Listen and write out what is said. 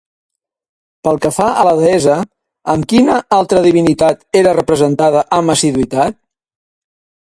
Pel que fa a la deessa, amb quina altra divinitat era representada amb assiduïtat?